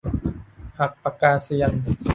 หักปากกาเซียน